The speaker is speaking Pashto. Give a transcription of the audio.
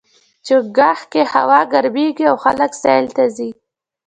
چنګاښ کې هوا ګرميږي او خلک سیل ته ځي.